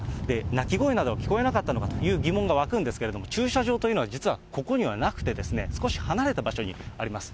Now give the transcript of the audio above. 泣き声などは聞こえなかったのかという疑問が湧くんですけれども、駐車場というのは実はここにはなくて、少し離れた場所にあります。